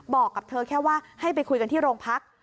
บอกกับเธอแค่ว่าให้ไปคุยกันที่โรงพัก